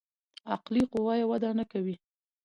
عقلي قوه يې وده نکوي.